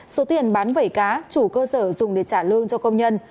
số tiền bán vẩy cá chủ cơ sở dùng để trả lương cho công nhân